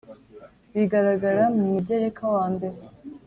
bigaragara mu Mugereka wa mbere